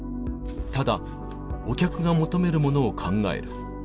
ただお客が求めるものを考える